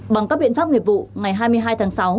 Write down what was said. bằng các biện pháp nghiệp vụ ngày hai mươi hai tháng sáu